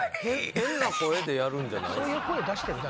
変な声でやるんじゃない。